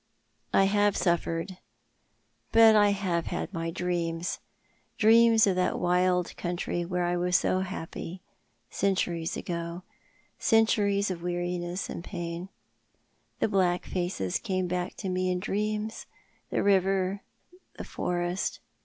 I have suffered, but I have had my dreams — dreams of that wild country where I was so happy — centuries ago — centuries of weariness and pain. The black faces came back to me in dreams— the river— the forest.